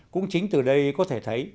cũng chính từ đây có thể thấy